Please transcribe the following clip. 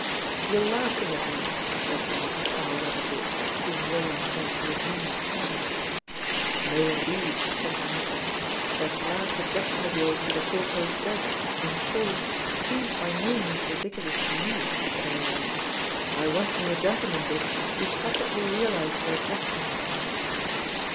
"You're laughing at me," says honest Foul weather Dick, seeing William turn toward me and smile. "No, indeed," says my husband; "that last objection of yours to the four post beds on shore seems by no means ridiculous to me, at any rate. I once knew a gentleman, Dick, who practically realized your objection."